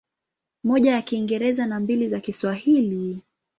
Moja ya Kiingereza na mbili za Kiswahili.